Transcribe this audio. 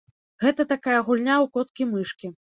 Гэта такая гульня ў коткі-мышкі.